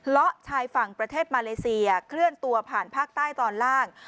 ละชายฝั่งประเทศมาเลเซียเคลื่อนตัวผ่านภาคใต้ตอนล่าง